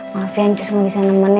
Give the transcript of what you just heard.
maaf yansinn bisa nemenin ya